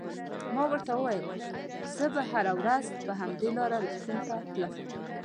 ما ورته وویل: زه به هره ورځ پر همدې لار روغتون ته تلم.